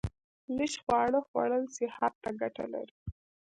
لږ خواړه خوړل صحت ته ګټه لري